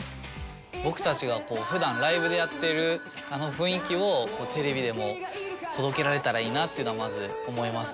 僕たちが普段ライブでやってるあの雰囲気をテレビでも届けられたらいいなっていうのはまず思いますね